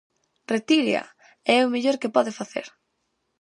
¡Retírea! É o mellor que pode facer.